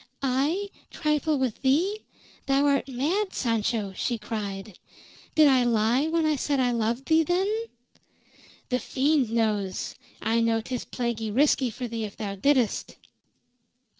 "I trifle with thee? Thou art mad, Sancho!" she cried. "Did I lie when I said I loved thee, then?" "The fiend knows! I know 'tis plaguey risky for thee if thou didst!"